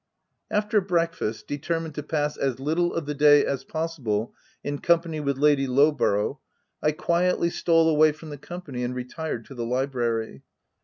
After breakfast, determined to pass as little of the day as possible in company with Lady Low borough, I quietly stole away from the com pany and retired to the library.